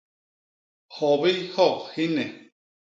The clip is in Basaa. Hyobi hyok hi nne.